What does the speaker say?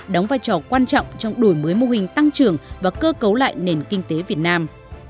đóng vai trò quan trọng trong đổi mới mô hình tăng trưởng và cơ cấu lại nền kinh tế việt nam